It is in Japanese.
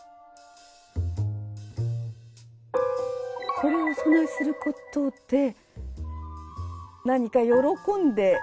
これをお供えすることで何か喜んで下さる。